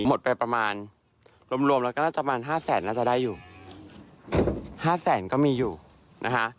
หมดไปประมาณรวมรวมแล้วก็น่าจะประมาณห้าแสนน่าจะได้อยู่ห้าแสนก็มีอยู่นะคะ